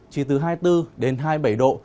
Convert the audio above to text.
chỉ từ hai mươi bốn hai mươi bảy độ